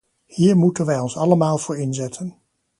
Hier moeten wij ons allemaal voor inzetten.